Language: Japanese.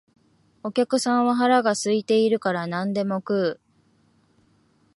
お客さんは腹が空いているから何でも食う